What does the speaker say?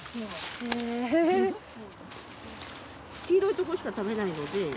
黄色いとこしか食べないので。